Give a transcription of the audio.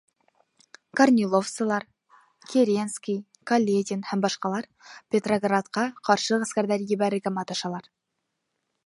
Корниловсылар — Керенский, Каледин һәм башҡалар Петроградҡа ҡаршы ғәскәрҙәр ебәрергә маташалар.